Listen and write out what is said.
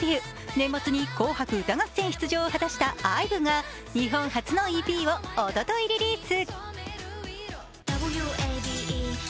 年末に「紅白歌合戦」出場を果たしたＩＶＥが日本初のＥＰをおとといリリース。